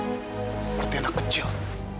seperti anak kecil